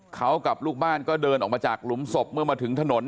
เขากับลูกบ้านก็เดินออกมาจากหลุมศพเมื่อมาถึงถนน